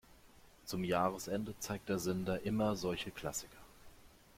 Zum Jahresende zeigt der Sender immer solche Klassiker.